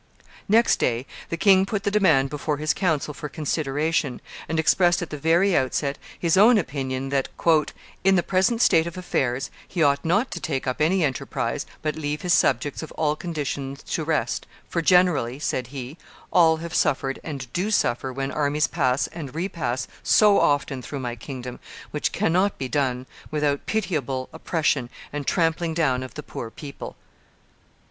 Next day the king put the demand before his council for consideration, and expressed at the very outset his own opinion that "in the present state of affairs, he ought not to take up any enterprise, but leave his subjects of all conditions to rest; for generally," said he, "all have suffered and do suffer when armies pass and repass so often through my kingdom, which cannot be done without pitiable oppression and trampling down of the poor people."